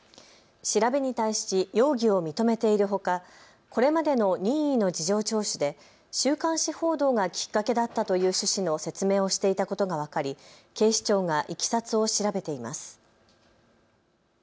調べに対し容疑を認めているほかこれまでの任意の事情聴取で週刊誌報道がきっかけだったという趣旨の説明をしていたことが分かり警視庁がいきさつを調べています。